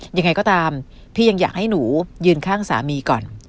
ยังไงก็ตามพี่ยังอยากให้หนูยืนข้างสามีก่อน